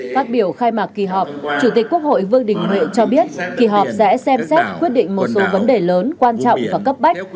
phát biểu khai mạc kỳ họp chủ tịch quốc hội vương đình huệ cho biết kỳ họp sẽ xem xét quyết định một số vấn đề lớn quan trọng và cấp bách